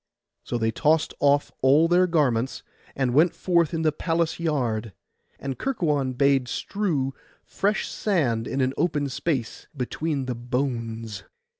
So they tossed off all their garments, and went forth in the palace yard; and Kerkuon bade strew fresh sand in an open space between the bones.